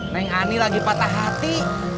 neng ani lagi patah hati